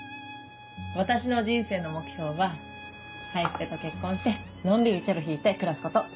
私の人生の目標はハイスペと結婚してのんびりチェロ弾いて暮らすこと。